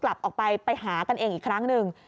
กลับออกไปไปหากันเองอีกครั้งหนึ่ง